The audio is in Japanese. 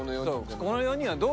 この４人はどう？